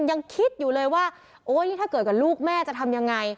ยังคิดอยู่เลยว่าโอ๊ยนี่ถ้าเกิดกับลูกแม่จะทำยังไง